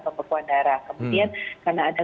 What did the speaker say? pembekuan darah kemudian karena ada